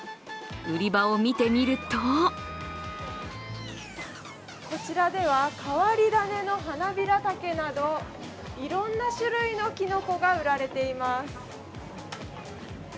売り場を見てみるとこちらでは変わり種のハナビラ茸などいろんな種類のきのこが売られています。